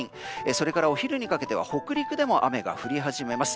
それからお昼にかけては北陸でも雨が降り始めます。